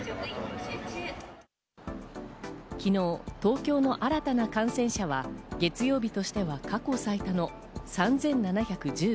昨日、東京の新たな感染者は月曜日としては過去最多の３７１９人。